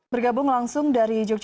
bergabung langsung dari jogja